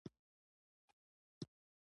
د میوو ضایع کول ګناه ده.